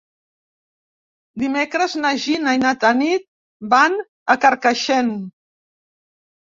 Dimecres na Gina i na Tanit van a Carcaixent.